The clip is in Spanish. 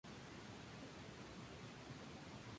A Lifetime in American Science".